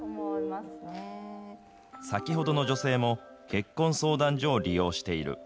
先ほどの女性も、結婚相談所を利用している。